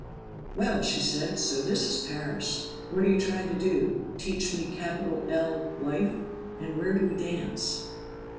"Well!" she said. "So this is Paris! What are you trying to do teach me capital L life? And where do we dance?"